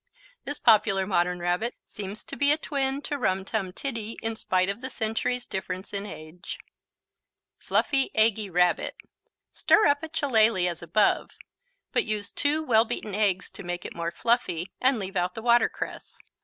This popular modern Rabbit seems to be a twin to Rum Tum Tiddy in spite of the centuries' difference in age. Fluffy, Eggy Rabbit Stir up a Chilaly as above, but use 2 well beaten eggs to make it more fluffy, and leave out the watercress.